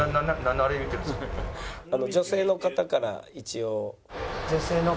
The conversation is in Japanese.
「女性の方から一応」。